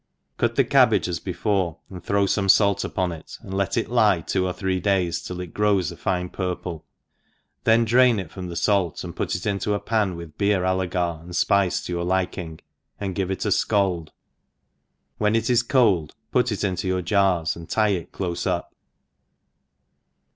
CUT the cabbage as before, and throw fome fait upon it, and let it lie two or three days^ till it grows a fine purple, then drain it from the fait, and put it into a pan with beer allegar, and fpicc to your liking, and give it a fcaldi when it is cold, put it into your jars, and tie it clofe up.